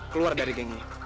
keluar dari gengnya